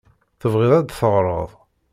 Tebɣiḍ ad d-teɣreḍ?